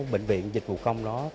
bệnh viện dịch vụ công đó